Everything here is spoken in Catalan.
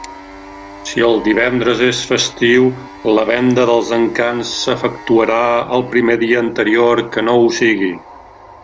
Si el divendres és festiu, la venda dels Encants s'efectuarà el primer dia anterior que no ho sigui.